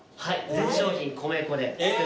全商品米粉で。